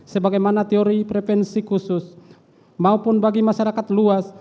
sebagaimana teori prevensi khusus maupun bagi masyarakat luas